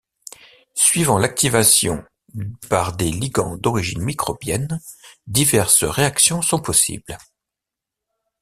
Suivant l’activation par des ligands d’origine microbienne, diverses réactions sont possibles.